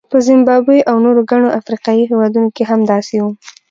په زیمبابوې او نورو ګڼو افریقایي هېوادونو کې هم داسې وو.